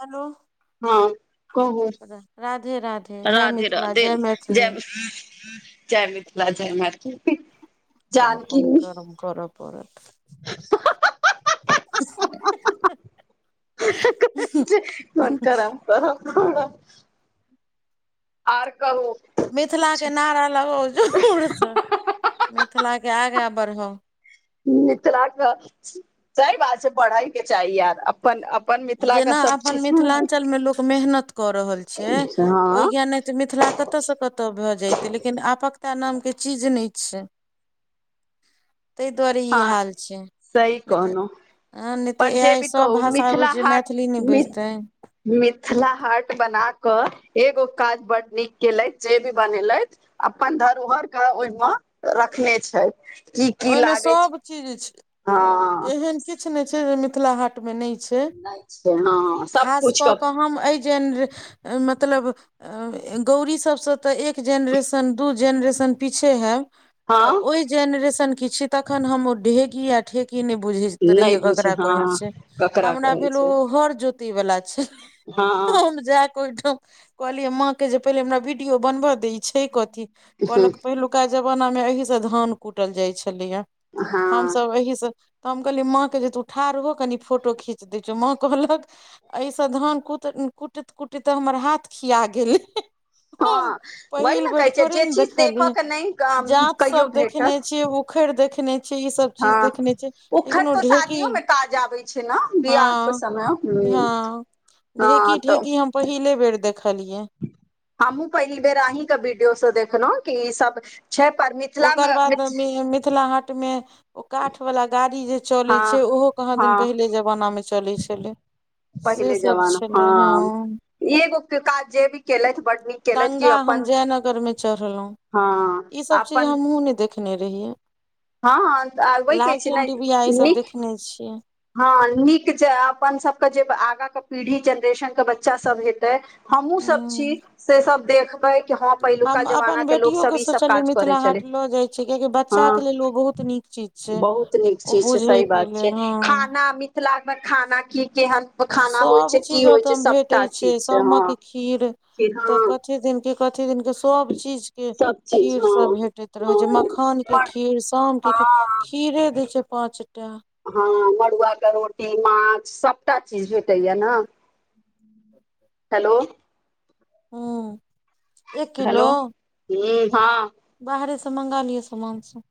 Hello हँ कहु राधे जय राधे मिथिला रधे जय मैथिली जय। जय मिथिला जय मैथिल। कोन कोन कर्म करऽ परत। [inaudible] [inaudible] कहै छै कोन करम करब। [inaudible] आर कहु। मिथिलाके नारा लगाउ जूरसँ मिथिलाके आगाँ बढ़ाउ। मिथिलाके सहि बात छै पढैके चाही यार। पन अपन मिथिला के जेना सब अपन चीज मिथिलाञ्चलमे लोक मेहनत। कऽ रहल छै हँ ओहि ज्ञाने तऽ मिथिला कतय से कतय भऽ जाइत लेकिन आपक। का नामके चीज नय छै। ताहि दुआरे ई हँ हाल छै सही नय तऽ कहलौं नय तऽ पर जे एआई भी सभ कहू भाषा। मिथिला छै हाट मैथिली नहि मिथ बैजतै मिथिला हाट बना कऽ एगो काज बड्ड नीक केलैथ जे भी बनेलथि। अपन धरोहर के ओहिमे रखने छथि की की ओहिमे लागै छै। सब चीज हँ छै एहन किछ नय छै जे मिथिला हाट मे नय छै। नहि छै हँ सब खास कुछ कऽ के कऽ हम अय जेन मतलब। गौरी सभसँ तऽ एक जेनरेशन दू जेनरेशन पीछे हैब। तऽ हँ ओहि जेनेरेशन के छी तखन हम ओ ढेग किये। ठेकी नय बुझैत नहि रहियै बुझे ककरा हँ कहै छै ककरा हमरा कहै भेल ओ छै हर जोत। वला छै हँ हम जाकऽ ओहिठम। कहलियै माँ के जे पहिले हमरा वीडियो बनब दे ई छै कथी हँ कहलक पहिलु। का जमाना मे एहि से धान कुटल जाय छलैये हँ हमसब एहि से। तऽ हम कहलियै माँकेँ जे तू ठाढ़हो कनि फोटो खीच दै छियौ माँ कहलक। एहिसँ धान कुटै कुटैत कुटैत तऽ हमर हाथ खिया गेलै। हम वही पहिल ने बेर कहै छै थोरे जे ने चीज देखली देखऽ के नहि जात कहियो सब भेटत देखने छियै ओ। पोखरि देखने छियै ई सब। चीज हँ देखने छै उखड़ लेकिन ओ तो ढेकी, शादियो मे काज आबै छै ने बियाह के हँ समय हँ। हँ ढेकी, तऽ ढेकी हम पहिले बेर देखलियै। हमहूँ पहिल बेर अहीॅंकेॅं वीडियो से देखलहुँ की ई सब- छै परमित ओकर बाद मे मिथिला हाटमे ओ काठवला गाड़ी जे चलैत हँ छै ओहो कहाँ दिन हँ पहिले जमानामे चलै छलै। से पहिले सभ जमाना छलै, हँ। एगो के काज जे भी केलथि बड़ नीक केलथि कि तंगा हम अपन जयनगरमे चढ़लहुँं। हँ ई सभ चीज अपन हमहूँ नहि देखने रहियै। हँ हँ, तॅं आ वैह कहै छै लालटेन ने डिबिया ई सब नीक- देखने छियै हँ नीक जे अपन सभके जे आगाँकेॅं पीढ़ी जेनरेशनकेॅं बच्चा सभ हेतै। हमहूँ सभ छी हूँ से सब देखबै। कि हँ हम पहिलुका अपन जमाना के लोक सब बेटियोके ई सब सोचलियै काज करै मिथिला छलै हाट लऽ जाइत छी किएकि हँ बच्चाकेॅं लेल ओ बहुत नीक- ची [unintelligible] बहुत नीक चीज छै, सही बात छै। हँ खाना मिथिलामे खाना की केहन- खाना होइ सब छै, चीज की होइ ओतऽ छै, भेटै सभटा चीज छै। हँ सामक खीर, तॅं हँ कथी दिन कि कथी दिन केँ सभ चीज- केँ सब चीज खीर सब हँ भेटैत रहै छै, मखानकेँ हँ खीर सामकेँ खीर हँ खीरे दै छै पाँचटा। हँ, मड़ुआके रोटी माछ, सभटा चीज भेटैया ने! हेलो! हूँ। एक हेलो! हूँ, हँ। बाहरेसँ मंगा लिअ समान सभ,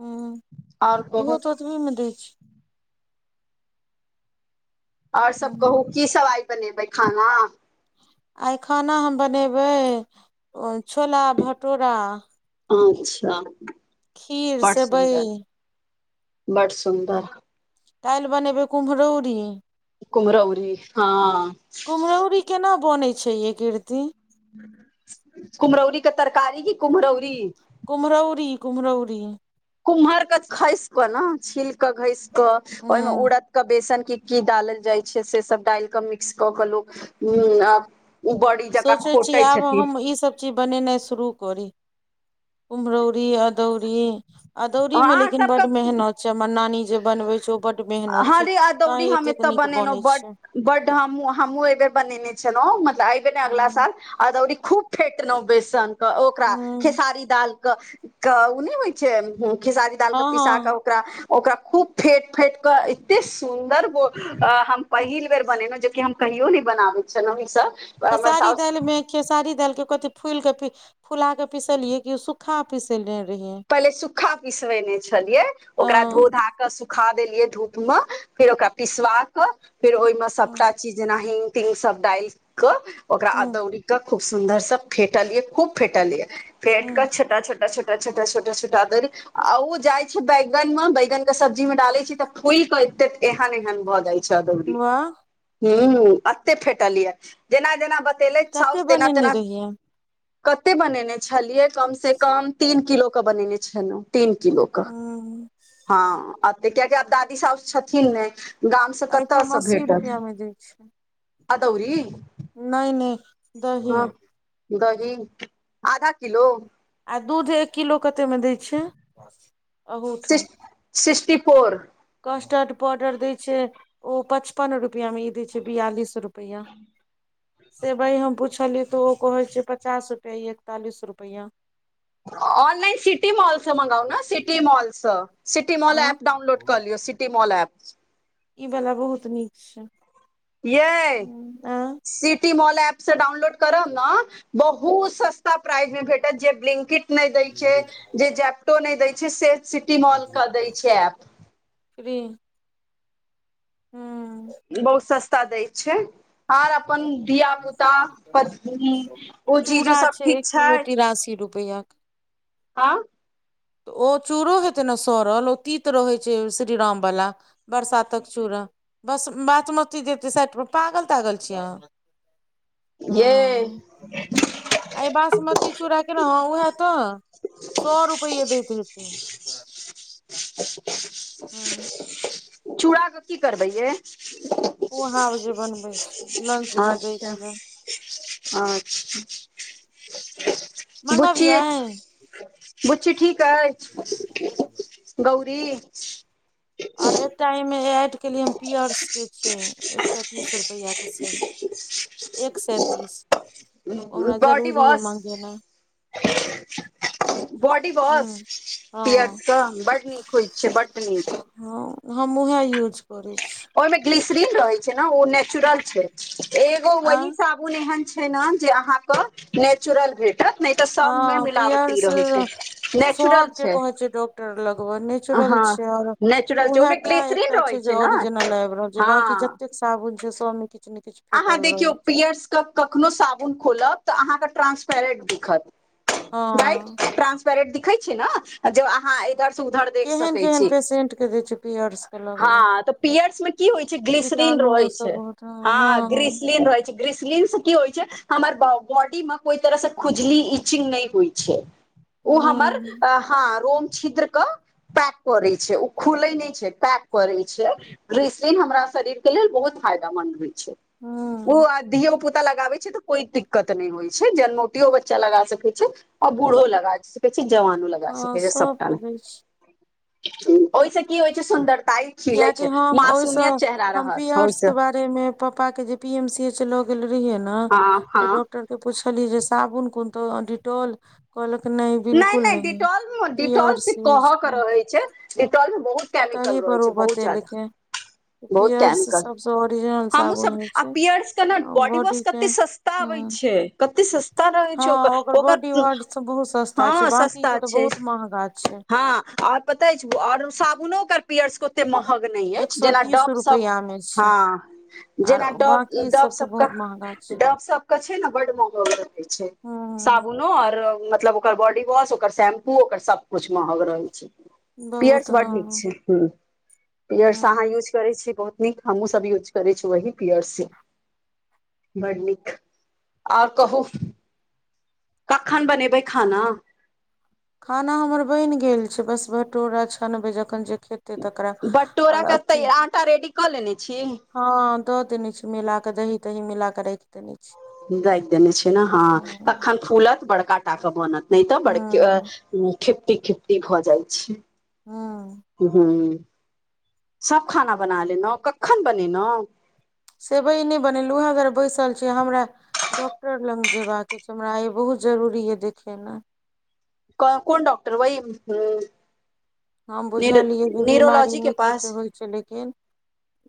हूँ। आओर इहो कहू तॅं ओतबीमे दै छै। आओर सभ ह कहू, की सभ आइ बनेबै खाना? आइ खाना हम बनेबै ओ छोला, भटोरा अच्छा, खीर बड्ड सेवइ सुन्दर। बड्ड सुन्दर। काल्हि बनेबै कुम्हरौरी। कुम्हरौरी, हँ। कुम्हरौरी केना बनैत छै यै कीर्ति? कुम्हरौरीके तरकारी की कुम्हरौरी? कुम्हरौरी, कुम्हरौरी। कुम्हरके घइसि कऽ ने, छीलके घसि कऽ, ह ओहिमे उड़दके बेसन की- की डालल जाइ छै से सभ डालि कऽ मिक्स कऽ के लोक ह ओ बड़ी जकाँ खोटैं छथिन। सभ चीज बनेनाइ शुरू करी, कुम्हरौरी अदौरी- अदौरीमे अहाँ लेकिन बड्ड सबके मेहनत छै, हमर नानी जे बनबै छै ओ बड्ड- बड्ड मेहनत हँ छै रे तैॅं अदौरी हम एतेक एतय नीक बनेलहुँ बनै बड छै। बड हमहूँ, हमहूँ अय बेर बनेने छलहुँ, मतलब अयबेर नइॅं अगिला साल अदौरी खूब- फेटलहूँ बेसन तॅं ओकरा ह खेसारी दाल- कऽ ओ नहि होइ छै, खेसारी दालके हँ पिसा कऽ हँ ओकरा, ओकरा खूब फेट-फेट- एतेक सुन्दर हम पहिल बेर बनेलहुॅं जे कि हम कहियो नहि बनाबैत छलहुँ ई सभ- खेसारी दालि मे खेसारी दालिके कथि फूइलि के फुला कऽ पिसलियै कि सुख कहा पिसेने रहिये पहिले सुखा पीसबेने छलियै ओकरा धो हँ धा कऽ सुख खा देलियै धूप मे फेर ओकरा पिसवा के फेर ओहिमे ह सभटा जेना हिंग तिंग सभ डाइल कऽ ओकरा अदौरी खूब सुन्दर से फेटलयै खूब फेटलये फेट ह कऽ छोटा छोटा छोटा छोटा छोटा अदौरी। आ ओ जाय छै बैगन मे बैगन के सब्जी मे डाले छी तऽ फूल के एते एहन एहन भऽ जाय छै अदौरी वाह हू एते फेटल यऽ जेना जेना ब तेलै कते साऊस तेना बनेने तेना रहियै कते बनेने छलियै- कमसँ कम तीन किलोके बनेने छलहु तीन किलो के ह ह कियाकि आब दादी साउस छथिन ने गामसँ कता एहिठाम से अस्सी भेटत रुपआ मे दै अदौरी नइ नइ ह दही आधा किलो आ दूध एक किलो कतेक मे दै छै अहूठाम सिक्स्टी फोर कस्टर्ड पाउडर दय छै ओ पचपन रुपआ मे ई देय छै बियालिस रुप रुपैआ मे सेवइ हम पुछलियै तऽ ओ कहैत छै पचासँ रुपैआ एकतालिस रुपैआ ऑनलाइन सिटी मॉलसँ मगाउ ने सिटी मॉलस सिटी मॉल आँ एप डाउनलोड कऽ लियौ सिटी मॉल एप्प इ वाला बहुत नीक छै। ये आ सिटी मॉल से डाउनलोड करब ने बहुत सस्ता प्राइज मे भेटत जे बिकिड नहि दै छै जे जैपटो नइ दै छै से मॉल के दै छै ऐप [unintelligible] हू बहुत सस्ता दऽ छै आर अपन धिया पुता पत्नी ओ चीज ओ चूड़ा सभ एक ठीक छै। किलो तिरासी रुपैआ के। ह तऽ ओ चूरो हेतै ने सड़ल ओ तीत रहैत छै श्रीराम वाला बरसात कऽ चूड़ा बस बासमती देते साइड पर पागल तागल छीयै अहाँ ये ह बासमती चूड़ा केना हँ उएह तऽ सए रुपैआ देते हते ह चूड़ाके की करबै या उहा जे बनबै छै लंच मे दै अच्छा के लेल अच्छा। मंगाबियआ। बुच्छी ठीक आए [inaudible] गौरी आओर एकटा एहिमे एड केलियै पीयर्सके छै एकटा तीस रुपैआके से एक सेए तीस हरा बॉडी जरूरी य वॉश मंगे नै बॉडी वॉश हूं हँ पर बड़ नीक होई छै बड़ नीक हँ मुह यूज करे छै ओहिमे ग्लिसरीन रहे छै ने ओ ने चुरल छै एगो आ वह नै एहन छै ने जे अहाँकेँ नेचुरल भेट त नहि तऽ सभमे हँ मिलावटी पियर्स रहै छै नेचुरल सबके छै कहै डॉक्टर लगबऽ ह नेचुरल छै और नेचुरल छै उएह टा ओहिमेस एकटा रहै जे छै ने ओरिजिनल आबि रहल छै ह बाँकी जतेक साबुन छै सभमे किु ने किछु अहाँ फेटल देखियौ रहै छै पीियर्स के कखनो साबुन खोलब तऽ अहाँकेँ ट्रांसपेरेंट दिखत हँ राइट ट्रांसपेरेंट दिखै छिय ने ज अहाँ उधर से उधर देख केहन सकै छी केहन पेशेंट के दै छै पियर्स के ह लगबऽ तऽ पर्स मे कि होई छै ग्रीसलिन कीटाणु रहै ओइ स छै बहुत हँ ग्रीसलिन रहै छै। गीसलिन से की होइ छै हमर बॉडी मे कोइ तरहसँ खुजली इचिंग नहि होइ छै। ओ हमर हूं हँ रोम छद्र क पैक करै छै ओ खुले नहि छै पैक करे छै। ग्रीस हमरा शरीर के लेलऽ बहुत फायदामंन्द होई छै ओ हूं आ धियोपुता पता लगाबे छै तऽ कोई दिक्कत नहि होई छै जनमोटियो बच्चा लगा सकैत छै। आ बूढ़ो लगाब कऽ छै जवनो लगाब हँ सकै छै सपटा सबके दै छै ओहिसँ कि होई छै सुन्दरताई खिले कियाकि छै हम मासूमियत चेहरा रहत ओहिसँ मे पापा के जे पी एम सी एच ल गेल रहि ने हँ तऽ हँ डॉक्टर जे पुछलीए जे साबुन कोन तो डिटोल कहलक नहि नाइ बिल्कुल नाइ नहि डिटॉल मे डिटोल से पीयर्स यूज कह के कर रहै छै डिटोल मे बहुत ताहि केमिकल रहे पर छै ओ बहुत ज्यादा बतेलकै बहुत पीयर्स कैमिकल सबसँ ओरिजिनल हमहु साबुन सभ होइ आ छै पियरस के ने बॉडी वॉश कते सस्त सस्ता ह आबै छै कते सस्ता रहै हँ छै ओकर ओकर बॉडी वार्ड सब बहुत सस्ता ह छै बाकी के सस्ता तऽ छै बहुत महंगा छै ह आ पता अछि आओर साबुनो ओकर पियर्स के ओते महग नहि एक अछि सौ जेना तीस डॉव सभ रुपैया मे हा छै आर जेना डॉव बाकी डॉव सबके सभ बहुत महंगा के छै डॉव सभ के छै ने बड महग रहै छै हँ साबुन आर मतलब ओकर बॉडी वाश ओकर शैम्पू ओकर सभ कुछ महग रहय छै बहुत पियर्स बड़ नीक हँ छै ह पियर्स अहाँ हँ यूज करे छी बहुत नीक हमहु सभ यूज करे छी वही पीयरसे बड़ नीक ओर कहू कखन बनेबे खाना? खाना हमर बनि गेल छै बस भटोरा छनबे जखन जे खेती। खेते तकरा ओर अथी टा रेडी कऽ लेने छि ह दऽ देने छी मिला के दही दही मिलाक राख देने छी राखि देने छै ने ह हँ तखन फूलत बड़का टा के बनत नहि तऽ बड़के हँ ह खिपटी खेपटी भऽ जाई छै हँ सभ खाना बना लेलहु कखन बनेलहु सेवई नय बनेलहु उएह दुआरे बैसल छी हमरा डॉक्टर लग जेयबाक अछि छै हमरा आय बहुत जरूरी या देखेनाय कोन डॉकटर वहि ह हम बुझलियै जे बीमारी नै के किछ पास होय छै लेकिन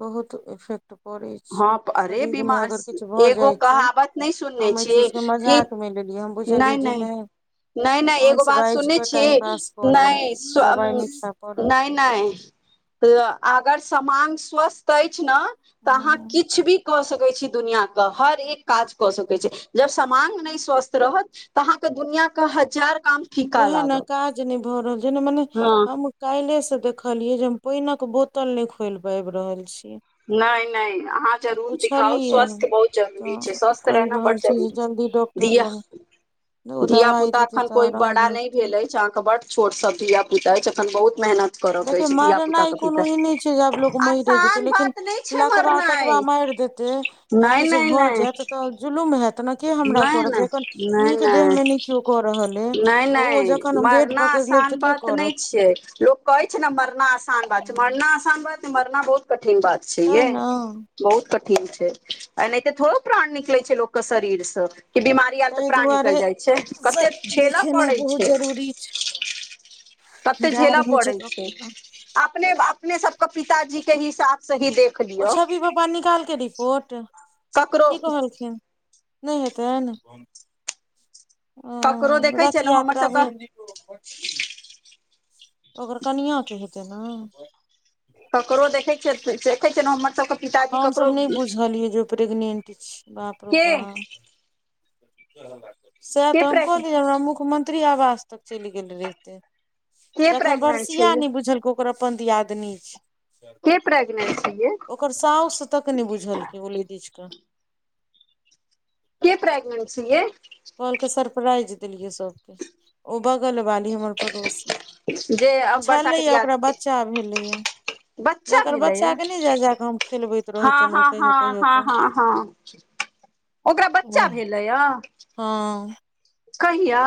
बहुत इफेक्ट परय छै हँ अरे शरीरमे बीमार अगर किछु भऽ एगो जाइ छै कहावत नहि सुनने हम अय छियै चीजके कि मजाक- मे लेलिय हम बुझलिए जे नइॅं नइॅं, नइॅं एगो बात सुनने छी, पास कऽ लेब नइॅं सु- [unintelligible] दबाइ नहि खाय पड़त नइॅं, नइॅं। अगर समांग स्वस्थ अछि न, तॅं अहाँ हँ किछ भी कऽ सकैत छी दुनियाके, हर एक काज कऽ सकैत छी। जब समांग नहि स्वस्थ रहत तॅं अहाँकेॅं दुनियाके हजार काम फीका ओएहे ने लागत काज नहि भऽ रहल छै, जने मने हँ हम- काल्हिये से देखलिये जे हम पाइनक बोतल नइॅं खोलि पाबि रहल छी। नहि नहि अहाँ [inaudible] जरूर दिखाउ पुछलियै स्वस्थ बहुत जरूरी तॅं छै स्वस्थ कहि रहना बड रहल छै जे जल्दी डाक्टर- डाॅक्टर लग ओ दबाइ धिया-पुता देतै एखन तऽ कोइ बड़ा- आराम बड़ा नहि भेटतै भेल अछि अहाॅंकेॅं बड्ड छोट सब धिया-पुता अछि अखन बहुत मेहनत- करऽ के देखियौ अछि धिया पुता मरनाइ के कोनो पिता ई नहि छै जे आब लोक मैरे जेतै आसान लेकिन- बात नहि छै लकबा-तकवा मरनाइ मारि देते या नहि किछु नहि भऽ नहि जायत तॅं जुलुम हैत तॅं के हमरा नहि करत? जखन नहि नहि नीक देहमे नहि केओ कऽ रहलए ओ नहि जखन- जखन नहि हम बेेड मरना पकैड़ लेब आसान तँ के बात नहि करत? छियै लोक कहै छै ने मरना आसान बात छै, मरना तैं आसान बात नहि, मरना बहुत कठिन बात छै यै। ने बहुत कठिन छै, एनहिते थोड़े प्राण निकलै छै लोकके शरीर से की बिमारी- [unintelligible] तॅं ताहि प्राण दुआरे निकल जाइ छै, कते झेलऽ देखेनाइ पड़ै बहुत छै। जरूरी छै कते जा झेलऽ रहल पड़ै छै? डॉक्टर, अपने, अपने सबकेॅं पिताजीके ही साथ स ही दे- ओ छवि पपा निकाल कै रिपोर्ट, ककरो की कहलखिन? नइॅं हेतनि? ओ ककरो देखै छियै रथ ने हमर सबके यात्रामे- [inaudible] ओकर कनिआँके हेतै ने? ककरो देखै छियै, देखै छिय न हमर सबके- पिताजी हम सभ नहि ककरो बुझलिये जे ओ प्रेगनेंट छै, बाप रौ के बाप! सएह के तॅं हम प्रेग कहलियै जे हमरा मुख्यमंत्री आवास तक चलि गेल रहितै, के जखन प्रेग्नेंट छै बर्षिया ये नहि बुझलकै, ओकर अपन दियादनी छै। के प्रेग्नेंट छै ये ओकर साउस तक नहि बुझलकै, ओ लेडीज के। के प्रेग्नेंट छै यै? कहलकै सरप्राइज देलियै सबकेॅं, ओ बगल बाली हमर पड़ोसी। जे अब वर्षाके छलैया दिया- ओकरा बच्चा भेलैया [unintelligible] बच्चा जकर भेलैए? बच्चा के नहि जा जा कऽ हम खेलबैत रहै हाँ छलहुँ हाँ हँ कहियो कहियो हाँ हाँ हाँ। ओकरा बच्चा भेलैए? हॅं कहिया?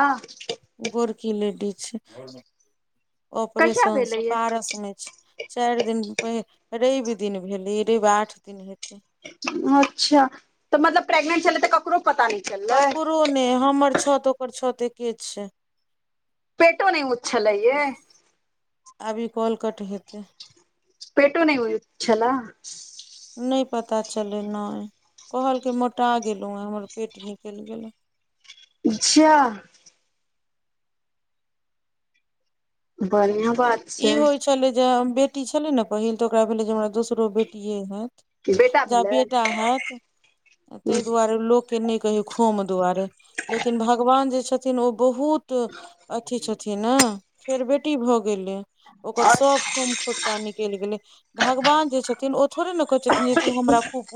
गोरकी लेडीज छै, कहिया ऑपरेशनसॅं भेलैया पारसमे छै। चारि दिन पहि रवि दिन भेलै, ई रवि आठ दिन हेतै। अच्छा तॅं मतलब प्रेगनेंट छलै तँ ककरो पता नहि? चललै ककरो नहि, हमर छत ओकर छत एके छै। पेटो नहि ऊँच छलै यै? अभी कॉल कट हेतै। पेटो नहि ऊँच छलै? नै पता चलै नै, कहलकै मोटा गेलहुँए, हमर पेट निकलि गेलए। जाह बढ़िया बात। छै होई छले जे बेटी छले ने पहिल तऽ ओकरा भेले जे हमरा दोसरो बेटी हैत। बेटा ज भेलै बेटा हैत ताहि दुआरे लोक। क नहि कही खोम दुआरे लेकिन भगवान जे छथिन ओ बहुत अथी छथिन। नै फेर बेटी भऽ गेलै ओकर आओर सभ खूम खोटका निकेल गेलै भगवान जे छथिन ओ थोड़े ने कहै छथिन जे तू हमरा खुब।